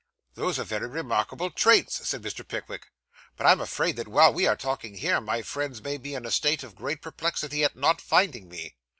'Those are very remarkable traits,' said Mr. Pickwick; 'but I'm afraid that while we are talking here, my friends may be in a state of great perplexity at not finding me.